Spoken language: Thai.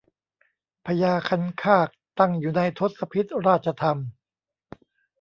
พญาคันคากตั้งอยู่ในทศพิธราชธรรม